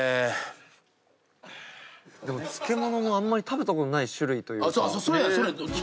でも漬物もあんまり食べたことない種類というか。